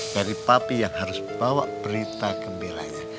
jadi papi yang harus bawa berita gembiranya